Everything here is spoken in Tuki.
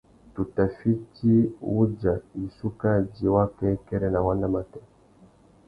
Tu tà mà fiti wudja wissú kā djï wakêkêrê nà wanda matê.